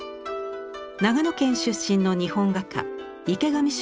長野県出身の日本画家池上秀